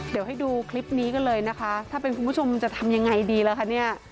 เดี๋ยวให้ดูคลิปนี้กันเลยนะคะถ้าเป็นคุณผู้ชมจะทำยังไงดีล่ะคะเนี่ย